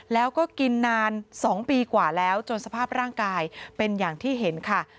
แล้วก็กินนาน๒ปีกว่าแล้วจนสภาพร่างกายเป็นอย่างที่เห็นค่ะ